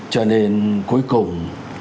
cho nên cuối cùng